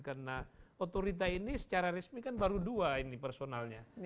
karena otorita ini secara resmi kan baru dua ini personalnya